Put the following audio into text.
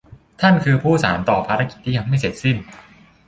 ท่านคือผู้สานต่อภารกิจที่ยังไม่เสร็จสิ้น